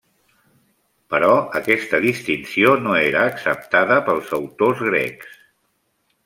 Però aquesta distinció no era acceptada pels autors grecs.